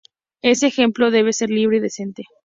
Ese empleo debe ser libre y decente.